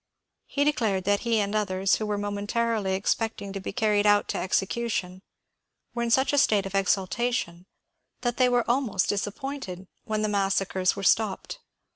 He declared that he and others who were momentarily expecting to be carried out to execution were in such a state of exaltation that they were almost disappointed when the massacres were stopped.